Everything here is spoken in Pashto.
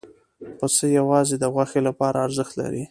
پسه یوازې د غوښې لپاره ارزښت لري.